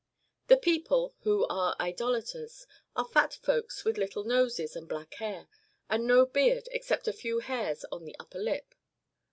^ The people, who are Idolaters, are fat folks with little noses and black hair, and no beard, except a few hairs on the upper lip.